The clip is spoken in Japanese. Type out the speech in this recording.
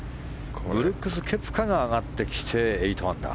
ブルックス・ケプカが上がってきて８アンダー。